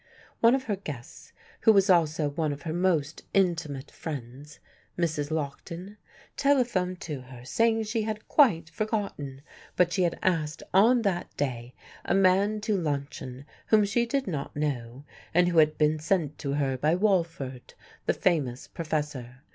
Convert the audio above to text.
One of her guests, who was also one of her most intimate friends, Mrs. Lockton, telephoned to her saying she had quite forgotten, but she had asked on that day a man to luncheon whom she did not know, and who had been sent to her by Walford, the famous professor.